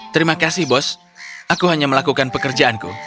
terima kasih bos aku hanya melakukan pekerjaanku